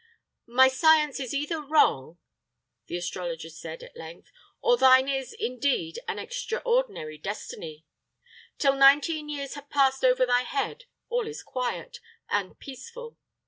"My science is either wrong," the astrologer said, at length, "or thine is, indeed, an extraordinary destiny. Till nineteen years have passed over thy head, all is quiet and peaceful.